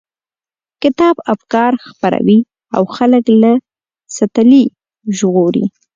کتاب افکار خپروي او خلک له سلطې ژغوري.